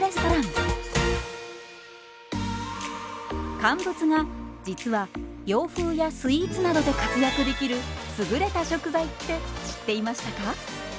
乾物が実は洋風やスイーツなどで活躍できる優れた食材って知っていましたか？